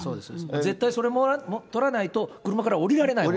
絶対それを取らないと、車から降りられない。